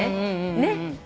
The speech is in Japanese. ねっ。